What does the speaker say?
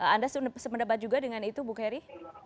anda sempat juga dengan itu ibu kerry